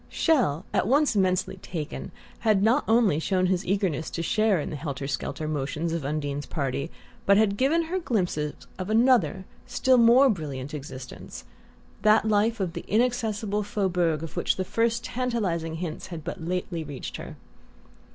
Chelles, at once immensely "taken," had not only shown his eagerness to share in the helter skelter motions of Undine's party, but had given her glimpses of another, still more brilliant existence, that life of the inaccessible "Faubourg" of which the first tantalizing hints had but lately reached her.